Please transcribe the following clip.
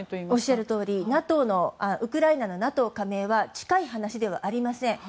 おっしゃるとおりウクライナのＮＡＴＯ加盟は近い話ではありません。